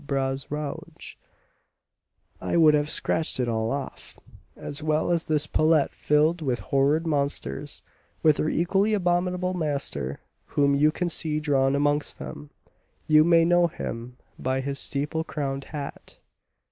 Bras Rouge, I would have scratched it all off, as well as this palette filled with horrid monsters, with their equally abominable master, whom you can see drawn amongst them. You may know him by his steeple crowned hat."